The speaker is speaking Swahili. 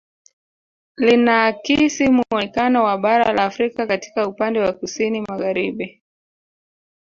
Linaakisi muonekano wa bara la Afrika katika upande wa kusini magharibi